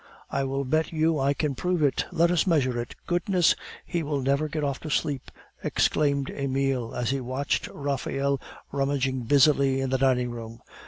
"I will bet you I can prove it. Let us measure it " "Goodness! he will never get off to sleep," exclaimed Emile, as he watched Raphael rummaging busily in the dining room.